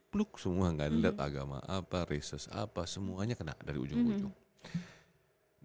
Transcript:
pluk semua kandidat agama apa reses apa semuanya kena dari ujung ujung